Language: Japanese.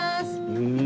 うん。